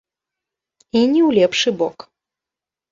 І не ў лепшы бок.